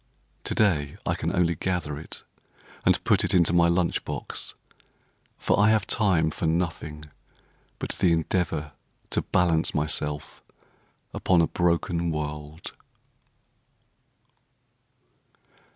To day I can only gather it And put it into my lunch box, For I have time for nothing But the endeavour to balance myself Upon a broken world.